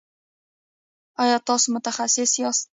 ایا تاسو متخصص یاست؟